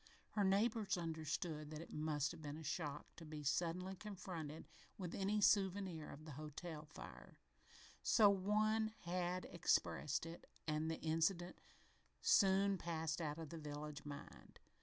Her neighbors understood that it must have been a shock "to be suddenly confronted with any souvenir of the hotel fire" so one had expressed it and the incident soon passed out of the village mind.